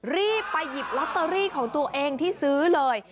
รีบไปหยิบลอตเตอรี่ของตัวเองที่ซื้อเลย